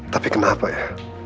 tapi kenapa ya